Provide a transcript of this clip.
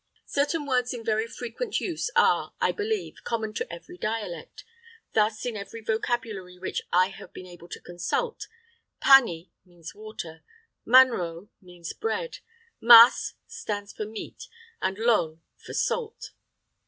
Certain words in very frequent use are, I believe, common to every dialect. Thus, in every vocabulary which I have been able to consult, pani means water, manro means bread, mas stands for meat, and lon for salt.